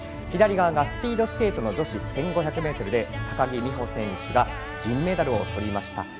左側がスピードスケートの女子１５００ｍで高木美帆選手が銀メダルをとりました。